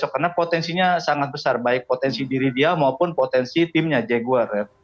karena potensinya sangat besar baik potensi diri dia maupun potensi timnya jaguar ya